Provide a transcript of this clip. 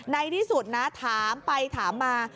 ในที่สุดนะถามไปถามมา